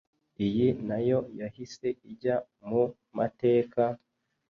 Iyi nayo yahise ijya mu mateka,